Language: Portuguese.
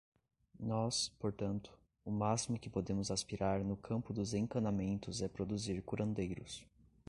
Nós, portanto, o máximo que podemos aspirar no campo dos encantamentos é produzir curandeiros.